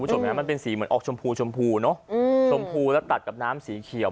เห็นไหมมันเป็นสีเหมือนออกชมพูชมพูเนอะชมพูแล้วตัดกับน้ำสีเขียว